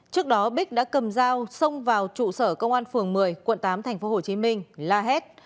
trước đó bích đã cầm dao xông vào trụ sở công an phường một mươi quận tám tp hcm la hét